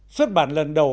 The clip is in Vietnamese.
xuất bản lần đầu